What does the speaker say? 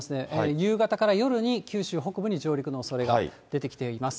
夕方から夜に、九州北部に上陸のおそれが出てきています。